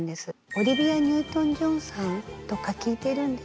「オリビア・ニュートン・ジョンさんとか聴いてるんです」